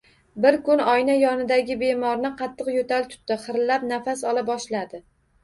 Bir kuni oyna yonidagi bemorni qattiq yoʻtal tutdi, xirillab nafas ola boshladi